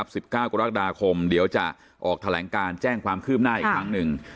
สิบเก้ากรกฎาคมเดี๋ยวจะออกแถลงการแจ้งความคืบหน้าอีกครั้งหนึ่ง